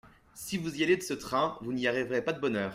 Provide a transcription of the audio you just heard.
Si vous allez de ce train, vous n'y arriverez pas de bonne heure.